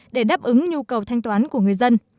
để đáp ứng nhu cầu thanh toán của người dân